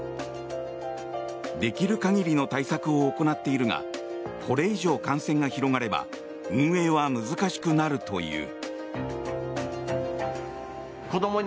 できる限りの対策を行っているがこれ以上感染が広がれば運営は難しくなるという。